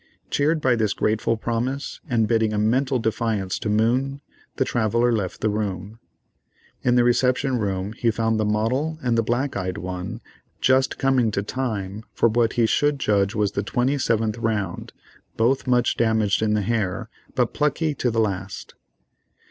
Cheered by this last grateful promise, and bidding a mental defiance to Moon, the traveller left the room. In the reception chamber he found the model and the black eyed one just coming to time for what he should judge was the twenty seventh round, both much damaged in the hair, but plucky to the last.